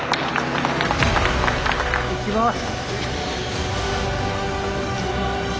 いきます。